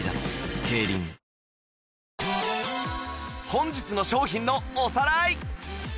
本日の商品のおさらい